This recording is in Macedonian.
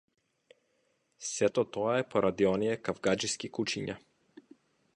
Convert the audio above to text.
Сето тоа е поради оние кавгаџиски кучиња.